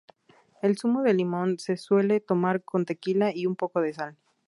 El zumo de limón se suele tomar con tequila y un poco de sal.